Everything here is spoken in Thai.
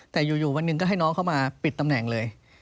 แต่อยู่วันหนึ่งก็ให้น้องเข้ามาปิดตำแหน่งเลย